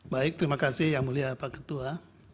baik terima kasih yang mulia pak ketua